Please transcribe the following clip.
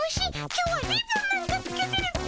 今日はリボンなんかつけてるっピ。